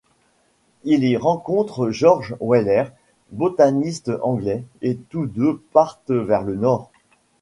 Il y rencontre George Wheler, botaniste anglais, et tous deux partent vers le nord.